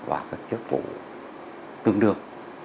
và các chức vụ tương đương